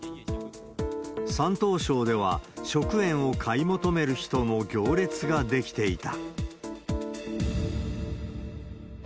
山東省では、食塩を買い求める人の行列が出来ていた。